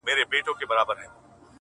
ولي مي هره شېبه، هر ساعت پر اور کړوې؟